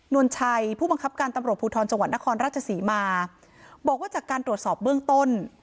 วลชัยผู้บังคับการตำรวจภูทรจังหวัดนครราชศรีมาบอกว่าจากการตรวจสอบเบื้องต้น